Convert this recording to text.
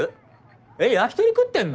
えっ焼き鳥食ってんの？